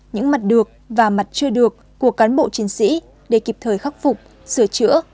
những mặt được và mặt chưa được của cán bộ chiến sĩ để kịp thời khắc phục sửa chữa